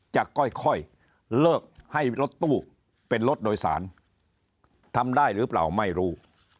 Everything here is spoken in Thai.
จะค่อยเลิกให้รถตู้เป็นรถโดยสารทำได้หรือเปล่าไม่รู้